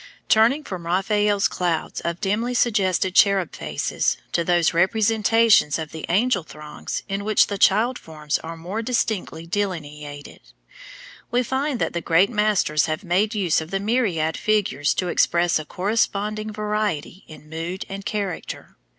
Turning from Raphael's clouds of dimly suggested cherub faces to those representations of the angel throngs in which the child forms are more distinctly delineated, we find that the great masters have made use of the myriad figures to express a corresponding variety in mood and character.